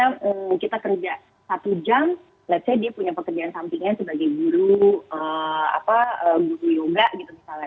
kalau kita kerja satu jam let's say dia punya pekerjaan sampingnya sebagai guru yoga gitu misalnya